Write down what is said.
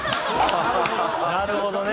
なるほどね。